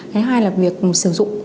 cái hai là việc sử dụng